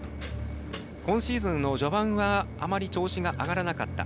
今シーズンの序盤はあまり調子が上がらなかった。